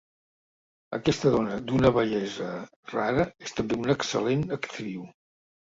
Aquesta dona d'una bellesa rara és també una excel·lent actriu.